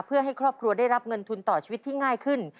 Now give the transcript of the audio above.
เพื่อให้ครอบครัวได้รับเงินทุนต่อชีวิตที่ง่ายขึ้น